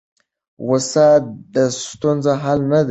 غوسه د ستونزو حل نه دی.